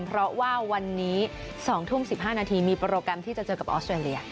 เพราะว่าวันนี้๒ทุ่ม๑๕นาทีมีโปรแกรมที่จะเจอกับออสเตรเลีย